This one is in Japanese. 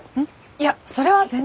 いやそれは全然。